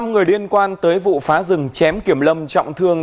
năm người liên quan tới vụ phá rừng chém kiểm lâm trọng thương